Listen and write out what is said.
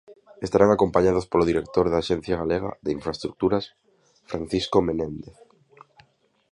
Estarán acompañados polo director da Axencia Galega de Infraestruturas, Francisco Menéndez.